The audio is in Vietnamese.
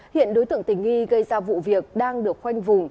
hiện đối tượng tình nghi gây ra vụ việc đang được khoanh vùng